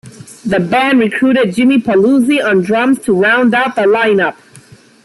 The band recruited Jimmy Paluzzi on drums to round out the lineup.